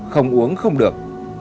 không uống không được